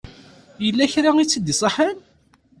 Yella kra i tt-id-iṣaḥen?